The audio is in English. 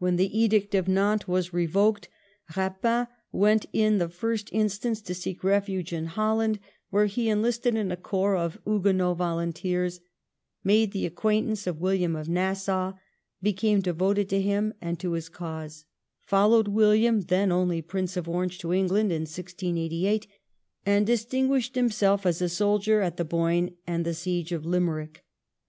When the Edict of Nantes was revoked, Eapin went in the first instance to seek refuge in Holland, where he enlisted in a corps of Huguenot volunteers ; made the acquaintance of WiUiam of Nassau ; became devoted to him and to his cause ; followed William, then only Prince of Orange, to England in 1688, and distinguished him self as a soldier at the Boyne and the siege of Limerick.